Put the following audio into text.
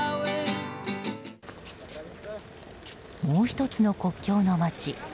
もう１つの国境の街